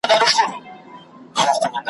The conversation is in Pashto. یو له بله تبریکۍ سوې اتڼونه ,